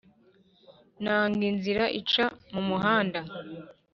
Nanga inzira ica mu muhanda